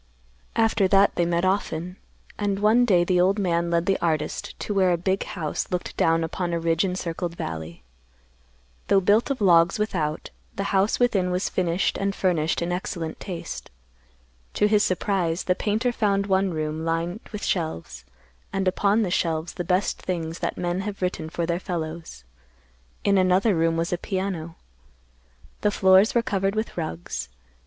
After that they met often, and one day the old man led the artist to where a big house looked down upon a ridge encircled valley. Though built of logs without, the house within was finished and furnished in excellent taste. To his surprise, the painter found one room lined with shelves, and upon the shelves the best things that men have written for their fellows. In another room was a piano. The floors were covered with rugs.